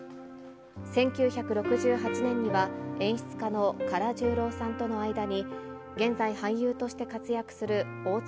１９６８年には、演出家の唐十郎さんとの間に、現在、俳優として活躍する大鶴